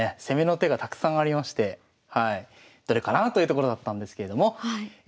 攻めの手がたくさんありましてどれかなというところだったんですけれども。